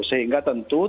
sehingga tentu tidak bisa